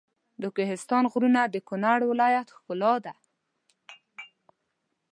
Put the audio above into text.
د کوهستان غرونه د کنړ ولایت ښکلا ده.